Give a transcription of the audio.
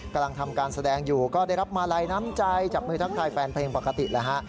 กำลังทำการแสดงอยู่ก็ได้รับมาลัยน้ำใจจับมือทักทายแฟนเพลงปกติแล้วฮะ